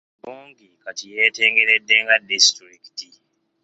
Obongi kati yeetengeredde nga disitulikiti.